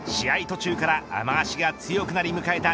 途中から雨脚が強くなり迎えた